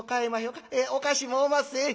お菓子もおまっせ」。